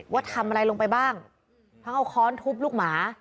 ว่าทำอะไรลงไปบ้างทั้งเอาค้อนทุบลูกหมา